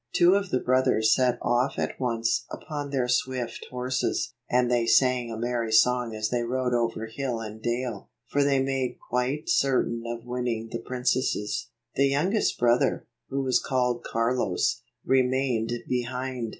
Two of the brothers set off at once upon their swift horses; and they sang a merry song as they rode over hill and dale, for they made quite certain of winning the princesses. The youngest brother, who was called Carlos, remained behind.